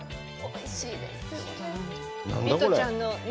おいしいですか？